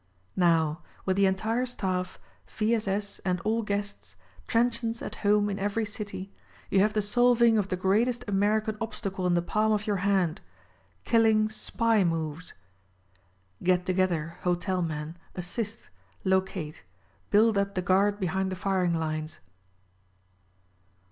Now: With the entire staff, V. S. S. — and all guests— transients at home 26 SPY PROOF AMERICA in every city — you have the solving o£ the greatest American obstacle in the palm of your hand ; killing— SPY moves ! Get together, hotel men, assist, locate ; build up the guard behind the firing lines